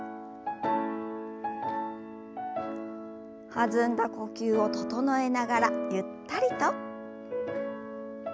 弾んだ呼吸を整えながらゆったりと。